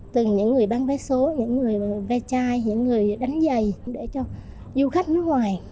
từng những người bán vé số những người ve chai những người đánh giày để cho du khách nước ngoài